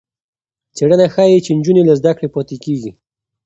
څېړنه ښيي چې نجونې له زده کړې پاتې کېږي.